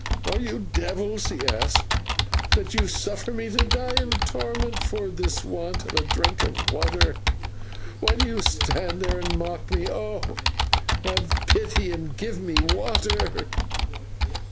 "Are you devils," he asked, "that you suffer me to die in torment for the want of a drink of water? Why do you stand there and mock me? Oh! have pity and give me water."